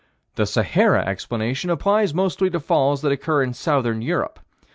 The Sahara explanation applies mostly to falls that occur in southern Europe.